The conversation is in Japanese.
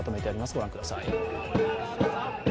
ご覧ください。